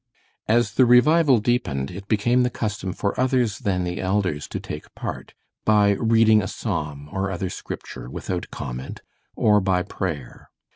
As the revival deepened it became the custom for others than the elders to take part, by reading a psalm or other Scripture, without comment, or by prayer.